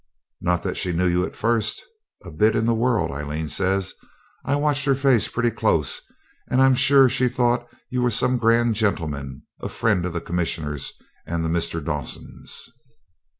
'Not that she knew you at first, a bit in the world,' Aileen said. 'I watched her face pretty close, and I'm sure she thought you were some grand gentleman, a friend of the Commissioner's and the Mr. Dawsons.'